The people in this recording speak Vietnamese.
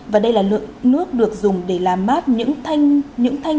và đây là lượng nước được dùng để làm mát những thanh